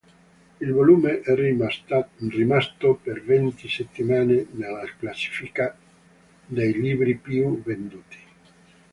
Il volume è rimasto per venti settimane nella classifica dei libri più venduti.